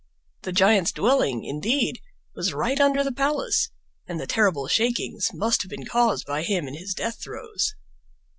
The giant's dwelling, indeed, was right under the palace, and the terrible shakings must have been caused by him in his death throes.